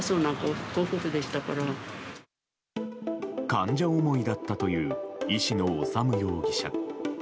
患者思いだったという医師の修容疑者。